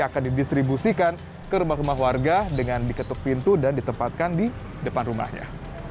akan didistribusikan ke rumah rumah warga dengan diketuk pintu dan ditempatkan di depan rumahnya